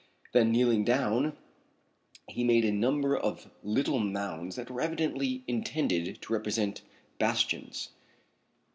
Then kneeling down he made a number of little mounds that were evidently intended to represent bastions.